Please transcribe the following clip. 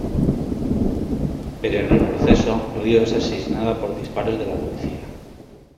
Pero en el proceso, Río es asesinada por disparos de la policía.